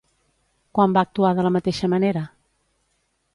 Quan va actuar de la mateixa manera?